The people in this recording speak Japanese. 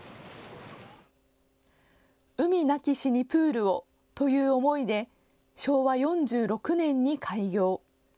海なき市にプールをという思いで昭和４６年に開業。